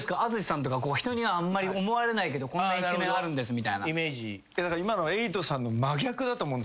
ＡＴＳＵＳＨＩさんとか人にはあんまり思われないけどこんな一面あるんですみたいな。